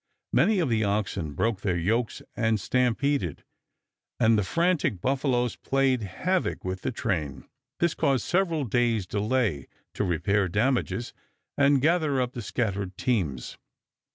Many of the oxen broke their yokes and stampeded, and the frantic buffaloes played havoc with the train. This caused several days' delay to repair damages and gather up the scattered teams.